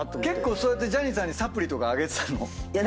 結構そうやってジャニーさんにサプリとかあげてたの？